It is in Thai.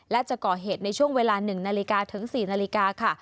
และจะก่อเหตุในช่วงเวลา๑นาฬิกาถึง๔นาฬิกาค่ะ